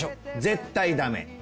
絶対ダメ！